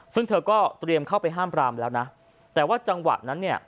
ซึ่งเธอก็เตรียมเข้าไปห้ามปรามแล้วนะแต่ว่าจังหวะนั้นเนี่ย